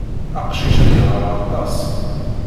Aqcic-a yeɣra aṭas.